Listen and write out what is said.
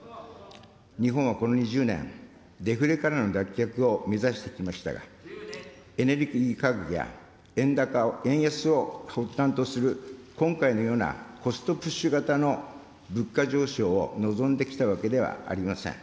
日本はこの２０年、デフレからの脱却を目指してきましたが、エネルギー価格や円安を発端とする、今回のようなコストプッシュ型の物価上昇を望んできたわけではありません。